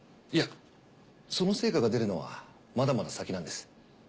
いやその成果が出るのはまだまだ先なんです。